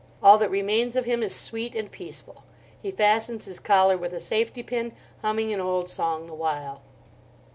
All that remains of him is sweet and peaceful. He fastens his collar with a safety pin, humming an old song the while.